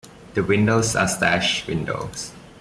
The windows are sash windows.